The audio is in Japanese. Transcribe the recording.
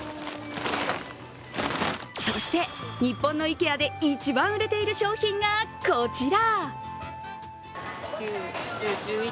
そして日本のＩＫＥＡで一番売れている商品がこちら。